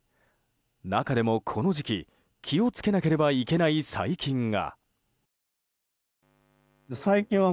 中でもこの時期気を付けなければいけない細菌が。